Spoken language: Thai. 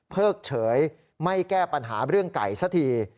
เฉยไม่แก้ปัญหาเรื่องไก่สักที